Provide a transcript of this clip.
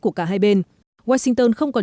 của cả hai bên washington không còn